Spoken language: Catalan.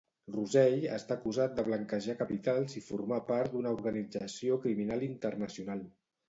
Rosell està acusat de blanquejar capitals i formar part d'una organització criminal internacional.